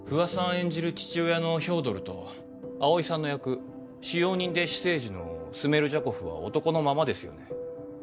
演じる父親のフョードルと葵さんの役使用人で私生児のスメルジャコフは男のままですよね。